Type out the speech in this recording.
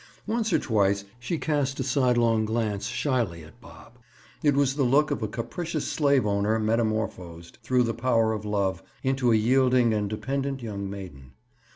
Once or twice she cast a sidelong glance shyly at Bob. It was the look of a capricious slave owner metamorphosed, through the power of love, into a yielding and dependent young maiden.